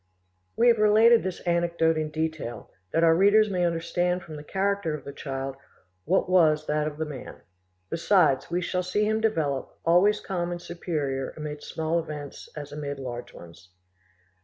We have related this anecdote in detail, that our readers may understand from the character of the child what was that of the man. Besides, we shall see him develop, always calm and superior amid small events as amid large ones.